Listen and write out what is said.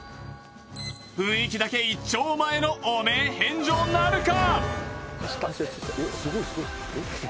雰囲気だけ一丁前の汚名返上なるか。